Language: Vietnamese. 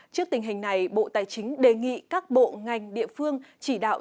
trước tình hình này bộ tài chính đề nghị các bộ ngành địa phương chỉ đạo